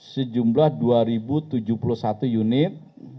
sejumlah dua tujuh puluh satu unit